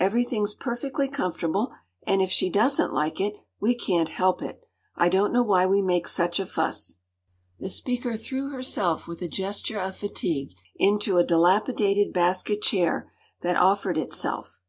“Everything’s perfectly comfortable, and if she doesn’t like it, we can’t help it. I don’t know why we make such a fuss.” The speaker threw herself with a gesture of fatigue into a dilapidated basket chair that offered itself.